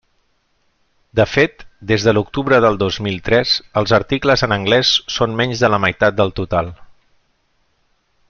De fet, des de l'octubre del dos mil tres, els articles en anglès són menys de la meitat del total.